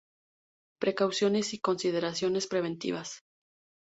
Precauciones y consideraciones preventivas